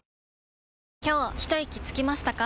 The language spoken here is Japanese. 今日ひといきつきましたか？